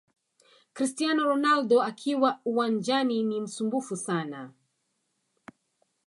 Cristiano Ronaldo akiwa uwanjani ni msumbufu sana